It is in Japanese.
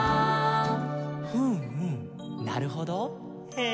「ふむふむなるほどへえー」